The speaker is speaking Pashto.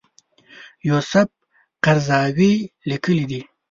یوسف قرضاوي لیکلي دي.